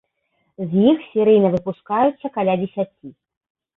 З іх серыйна выпускаецца каля дзесяці.